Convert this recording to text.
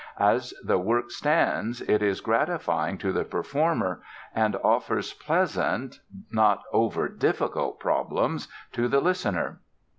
As the work stands it is gratifying to the performer and offers pleasant, not over difficult problems to the listener."